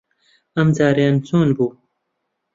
ئەمجارەیان چۆن بوو؟